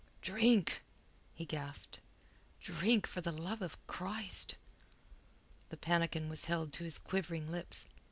"Drink!" he gasped. "Drink, for the love of Christ!" The pannikin was held to his quivering lips.